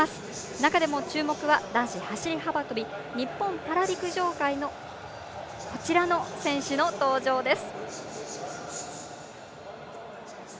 中でも注目は男子走り幅跳び日本パラ陸上界のこちらの選手の登場です。